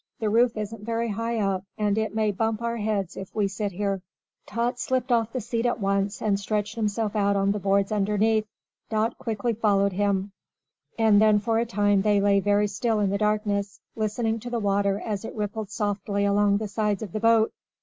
The roof isn't very high up, and it may bump our heads if we sit here." Tot slipped off the seat at once and stretched himself out on the boards underneath. Dot quickly followed him, and then for a time they lay very still in the darkness, listening to the water as it rippled softly along the sides of the boat.